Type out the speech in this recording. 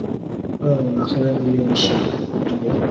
黑珍珠因其稀有而昂贵。